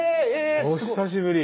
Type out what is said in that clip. お久しぶり。